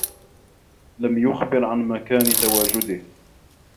لم يخبر عن مكان تواجده.